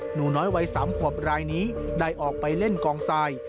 หนูน้อยวัย๓ขวบรายนี้ได้ออกไปเล่นกองทราย